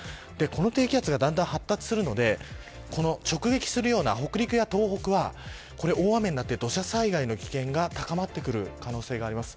この低気圧がだんだん発達するので直撃するような北陸や東北は大雨になって土砂災害の危険が高まってくる可能性があります。